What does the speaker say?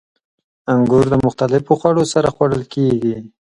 • انګور د مختلفو خوړو سره خوړل کېږي.